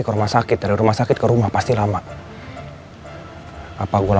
gue tak peduli sama apa dia